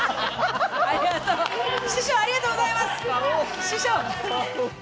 師匠、ありがとうございます。